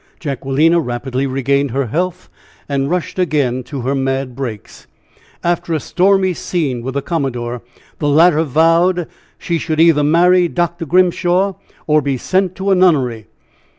Jacquelina rapidly regained health and rushed again to her mad breaks. After a stormy scene with the commodore, the latter vowed she should either marry Dr. Grimshaw or be sent to a nunnery.